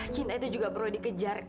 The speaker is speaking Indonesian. cinta itu juga perlu dikejar